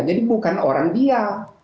jadi bukan orang dia